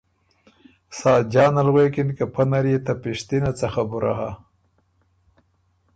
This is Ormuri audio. ساجان ال غوېکِن که پۀ نر يې ته پِشتِنه څۀ خبُره هۀ